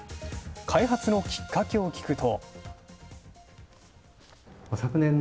開発のきっかけを聞くと。